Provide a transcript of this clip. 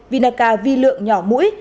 vinaca v lượng nhỏ mũi